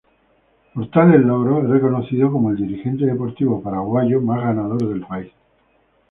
Por tales logros es reconocido como el dirigente deportivo paraguayo más ganador del país.